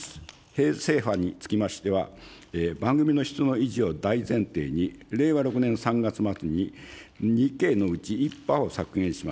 衛星波につきましては、番組の質の維持を大前提に、令和６年３月末に２Ｋのうち１波を削減します。